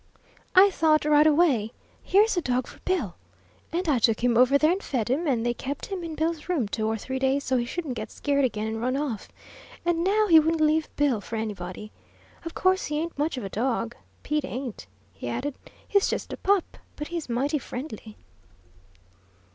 I thought right away, 'Here's a dog for Bill!' And I took him over there and fed him, and they kept him in Bill's room two or three days, so he shouldn't get scared again and run off; and now he wouldn't leave Bill for anybody. Of course, he ain't much of a dog, Pete ain't," he added "he's just a pup, but he's mighty friendly!"